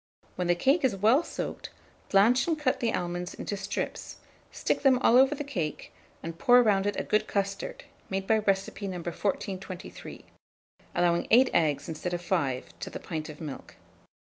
When the cake is well soaked, blanch and cut the almonds into strips, stick them all over the cake, and pour round it a good custard, made by recipe No. 1423, allowing 8 eggs instead of 5 to the pint of milk.